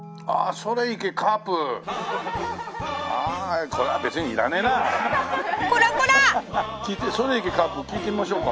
『それ行けカープ』聴いてみましょうか？